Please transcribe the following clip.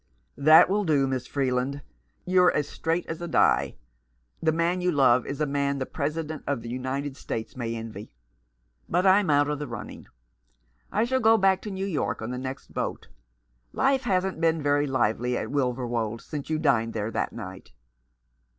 " That will do, Miss Freeland. You're as straight as a die. The man you love is a man the President of the United States may envy; but Fm out of the running. I shall go back to New York on the next boat. Life hasn't been very lively at Wilverwold since you dined there that night."